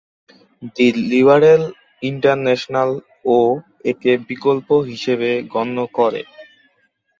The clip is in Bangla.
দি "লিবারেল ইন্টারন্যাশনাল"ও একে বিকল্প হিসেবে গণ্য করে।